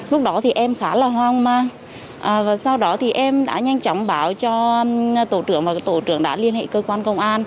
lúc đó thì em khá là hoang mang và sau đó thì em đã nhanh chóng báo cho tổ trưởng và tổ trưởng đã liên hệ cơ quan công an